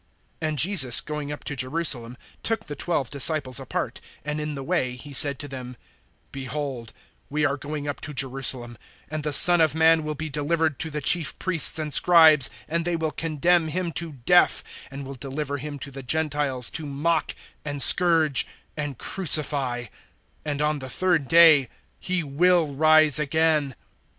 (17)And Jesus, going up to Jerusalem, took the twelve disciples apart; and in the way he said to them: (18)Behold, we are going up to Jerusalem; and the Son of man will be delivered to the chief priests and scribes, and they will condemn him to death, (19)and will deliver him to the Gentiles to mock and scourge and crucify; and on the third day he will rise again.